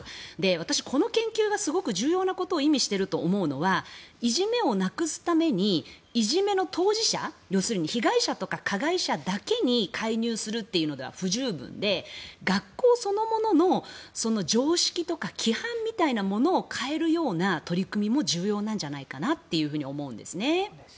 私この研究がすごく重要なことを意味していると思うのはいじめをなくすためにいじめの当事者要するに被害者とか加害者だけに介入するというのでは不十分で学校そのものの常識とか規範みたいなものを変えるような取り組みも重要なんじゃないかなと思うんですね。